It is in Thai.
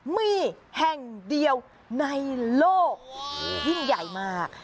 มีแห่งเดียวในโลกยิ่งใหญ่มาก